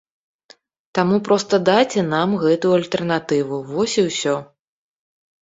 Таму проста дайце нам гэтую альтэрнатыву, вось і ўсё.